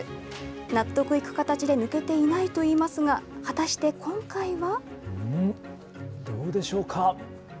納得いく形で抜けていないといいますが、果たして今回は？